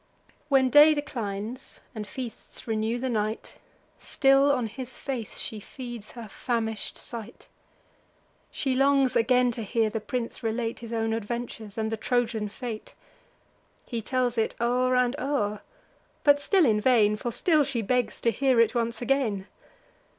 When day declines, and feasts renew the night, Still on his face she feeds her famish'd sight; She longs again to hear the prince relate His own adventures and the Trojan fate. He tells it o'er and o'er; but still in vain, For still she begs to hear it once again.